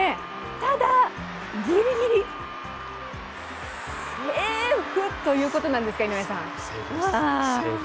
ただ、ぎりぎりセーフということなんですか、井上さん。